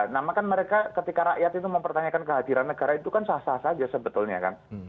nama kan mereka ketika rakyat itu mempertanyakan kehadiran negara itu kan sah sah saja sebetulnya kan